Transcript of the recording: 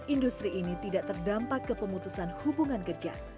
industri ini tidak terdampak ke pemutusan hubungan kerja